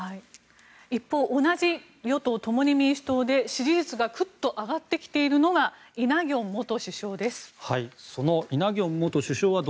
一方同じ与党・共に民主党で支持率がぐっと上がってきているのがイ・ナギョン元首相です。